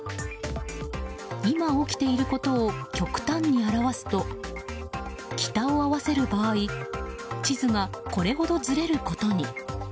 今、起きていることを極端に表すと北を合わせる場合地図がこれほどずれることに。